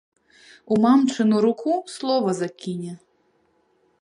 У мамчыну руку слова закіне.